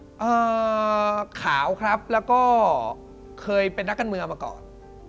เอ่อขาวครับแล้วก็เคยเป็นนักการเมืองมาก่อน